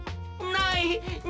ない！